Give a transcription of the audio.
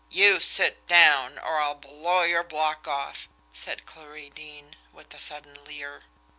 "You sit down, or I'll blow your block off!" said Clarie Deane, with a sudden leer.